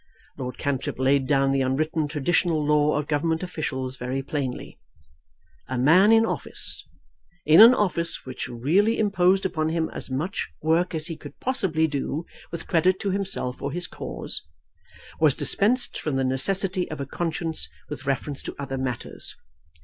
Lord Cantrip laid down the unwritten traditional law of Government officials very plainly. A man in office, in an office which really imposed upon him as much work as he could possibly do with credit to himself or his cause, was dispensed from the necessity of a conscience with reference to other matters.